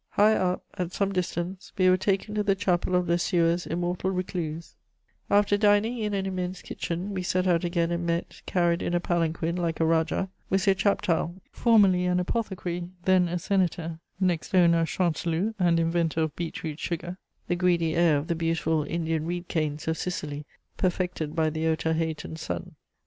Higher up, at some distance, we were taken to the chapel of Le Sueur's immortal recluse. After dining in an immense kitchen, we set out again and met, carried in a palanquin like a rajah, M. Chaptal, formerly an apothecary, then a senator, next owner of Chanteloup and inventor of beetroot sugar, the greedy heir of the beautiful Indian reed canes of Sicily, perfected by the Otaheitan sun.